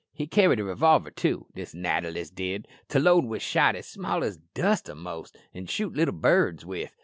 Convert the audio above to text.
He carried a revolver, too, this natter list did, to load wi' shot as small as dust a'most, an' shoot little birds with.